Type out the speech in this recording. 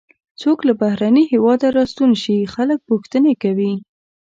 څوک له بهرني هېواده راستون شي خلک پوښتنې کوي.